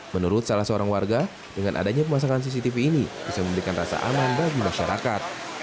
menurut salah seorang warga dengan adanya pemasangan cctv ini bisa memberikan rasa aman bagi masyarakat